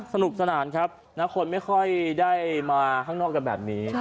สนุกสนานครับคนไม่ค่อยได้มาข้างนอกกันแบบนี้